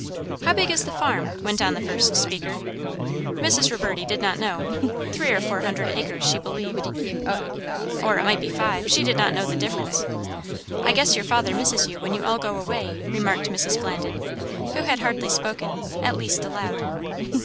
"How big is the farm?" went on the first speaker. Mrs. Reverdy did not know; three or four hundred acres, she believed. Or it might be five. She did not know the difference! "I guess your father misses you when you all go away," remarked Mrs. Flandin, who had hardly spoken, at least aloud.